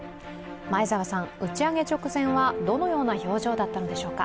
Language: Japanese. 前澤さん、打ち上げ直前はどのような表情だったのでしょうか。